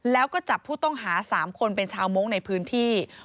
แล้วก็จับผู้ต้องหา๓คนเป็นชาวมงค์ในพื้นที่